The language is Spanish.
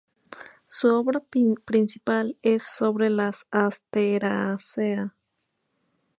Su obra principal es sobre las Asteraceae.